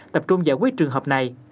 tập trung giải quyết trường hợp này